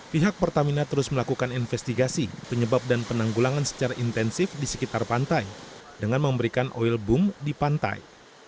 pihak pertamina terus melakukan investigasi penyebab dan penanggulangan secara intensif di sekitar pantai dengan memberikan oil boom di pantai